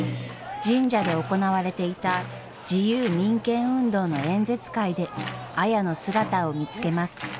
神社で行われていた自由民権運動の演説会で綾の姿を見つけます。